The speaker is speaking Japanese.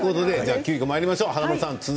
急きょまいりましょう。